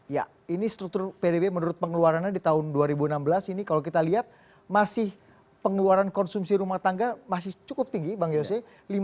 ya ini struktur pdb menurut pengeluarannya di tahun dua ribu enam belas ini kalau kita lihat masih pengeluaran konsumsi rumah tangga masih cukup tinggi bang yose